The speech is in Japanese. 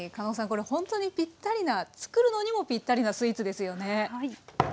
これほんとにぴったりな作るのにもぴったりなスイーツですよね。